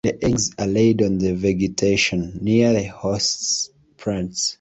The eggs are laid on the vegetation, near the host plants.